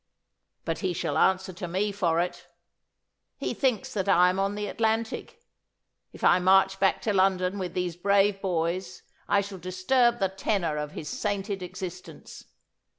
But he shall answer to me for it. He thinks that I am on the Atlantic. If I march back to London with these brave boys I shall disturb the tenor of his sainted existence.